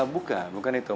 bukan bukan itu